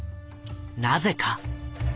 なぜか。